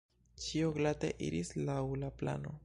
Ĉio glate iris laŭ la plano….